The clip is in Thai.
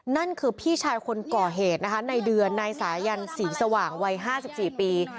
นั่นคือพี่ชายคนก่อเหตุนะคะในเดือนนายสายันศรีสว่างวัย๕๔ปี